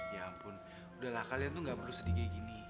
ya ampun udahlah kalian tuh gak perlu sedih kayak gini